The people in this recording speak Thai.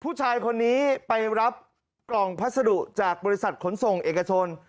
ผู้ชายคนนี้ไปรับกล่องพัสดุจากบริษัทขนส่งเอกชน